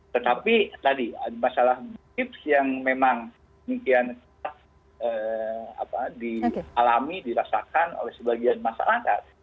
tetapi tadi ada masalah tips yang memang mungkin kita alami dirasakan oleh sebagian masyarakat